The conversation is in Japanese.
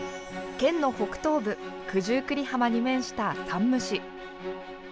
県の北東部、九十九里浜に面した山武市。